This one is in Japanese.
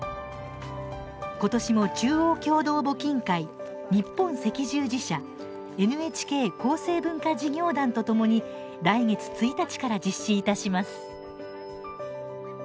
ことしも中央共同募金会日本赤十字社ＮＨＫ厚生文化事業団とともに来月１日から実施いたします。